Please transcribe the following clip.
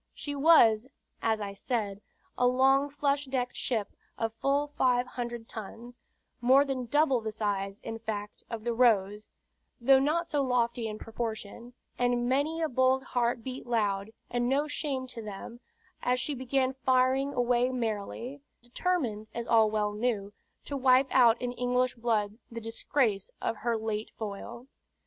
She was, as I said, a long flush decked ship of full five hundred tons, more than double the size, in fact, of the Rose, though not so lofty in proportion; and many a bold heart beat loud, and no, shame to them, as she began firing away merrily,, determined, as all well knew, to wipe out in English blood the disgrace of her late foil.